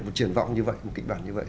một triển vọng như vậy một kịch bản như vậy